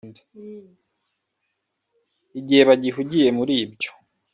Igihe bagihugiye muri ibyo